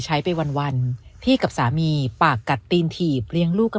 ใช้ไปวันพี่กับสามีปากกัดตีนถีบเลี้ยงลูกกัน